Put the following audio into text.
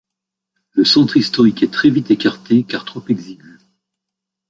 Le centre historique est très vite écarté car trop exigu.